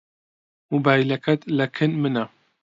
مۆبایلەکەت لەکن منە.